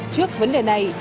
trước vấn đề này